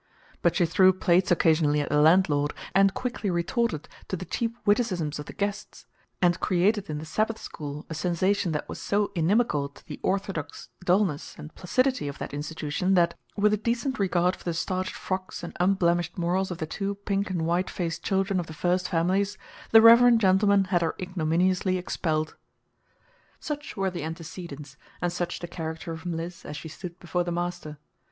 But she threw plates occasionally at the landlord, and quickly retorted to the cheap witticisms of the guests, and created in the Sabbath school a sensation that was so inimical to the orthodox dullness and placidity of that institution that, with a decent regard for the starched frocks and unblemished morals of the two pink and white faced children of the first families, the reverend gentleman had her ignominiously expelled. Such were the antecedents, and such the character of Mliss as she stood before the master.